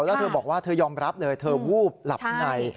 แล้วเธอบอกว่าเธอยอมรับเลยเธอวูบหลับใน